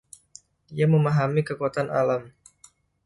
Dia memahami kekuatan alam.